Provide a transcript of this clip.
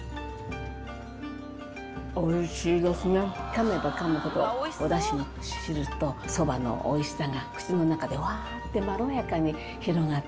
かめばかむほどおダシの汁とそばのおいしさが口の中でうわってまろやかに広がって。